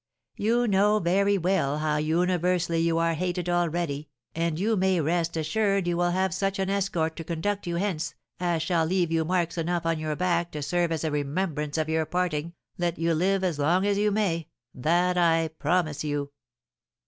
You know very well how universally you are hated already, and you may rest assured you will have such an escort to conduct you hence as shall leave you marks enough on your back to serve as a remembrancer of your parting, let you live as long as you may, that I promise you!'